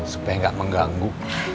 supaya gak mengganggu